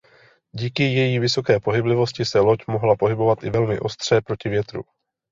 Díky její vysoké pohyblivosti se loď mohla pohybovat i velmi ostře proti větru.